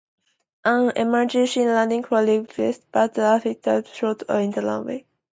An emergency landing was requested, but the aircraft crashed just short of the runway.